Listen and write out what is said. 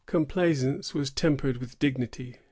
Complaisance was tempered with dignity.